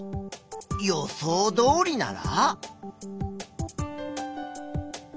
予想どおりなら？